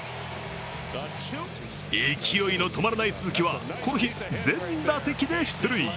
勢いに止まらない鈴木は、この日、全打席で出塁。